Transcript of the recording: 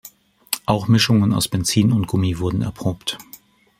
Auch Mischungen aus Benzin und Gummi wurden erprobt.